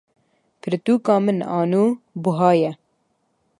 Pirtûka min a nû buha ye.